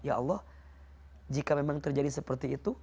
ya allah jika memang terjadi seperti itu